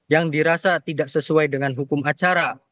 yang dirasa tidak sesuai dengan hukum acara